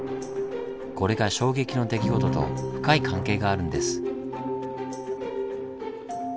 これが衝撃の出来事と深い関係があるんです。